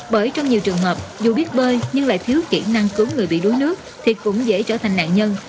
bởi trong nhiều trường hợp dù biết bơi nhưng lại thiếu kỹ năng cứu người bị đuối nước thì cũng dễ trở thành nạn nhân